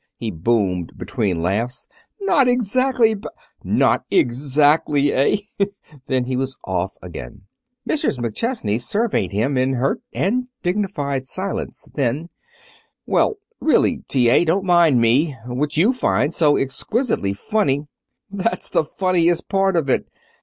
he boomed between laughs. "Not exactly b Not ex_act_ly, eh?" Then he was off again. Mrs. McChesney surveyed him in hurt and dignified silence. Then "Well, really, T.A., don't mind me. What you find so exquisitely funny " "That's the funniest part of it!